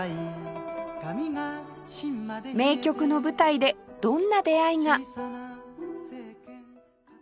名曲の舞台でどんな出会いが？